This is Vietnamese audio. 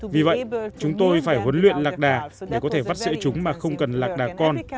vì vậy chúng tôi phải huấn luyện lạc đà để có thể vắt sữa chúng mà không cần lạc đà con